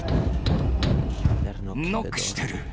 ノックしてる。